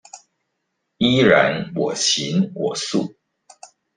依然我行我素